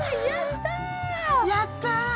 やったー。